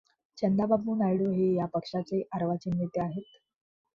चंद्राबाबू नायडू हे या पक्षाचे अर्वाचीन नेते आहेत.